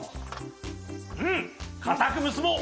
うんかたくむすぼう。